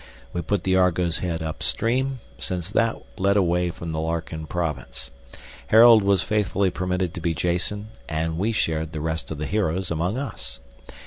We put the Argo's head up stream, since that led away from the Larkin province; Harold was faithfully permitted to be Jason, and we shared the rest of the heroes among us.